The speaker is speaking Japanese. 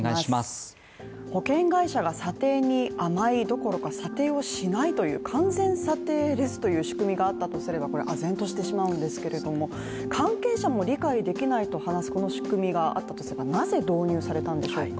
保険会社が査定に甘いどころか査定をしないという完全査定レスという仕組みがあったとすればこれ、あぜんとしてしまうんですけれども関係者も理解できないと話すこの仕組みがあったとすればなぜ導入されたんでしょうか。